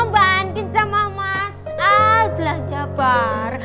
banding sama mas al belajar bar